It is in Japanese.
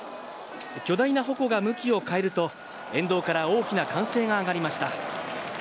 巨大な鉾が向きを変えると、沿道から大きな歓声が上がりました。